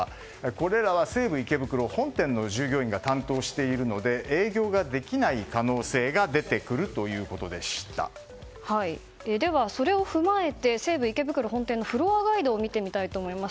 これらは西武池袋本店の従業員が担当しているので営業ができない可能性がそれを踏まえて西武池袋本店のフロアガイドを見てみたいと思います。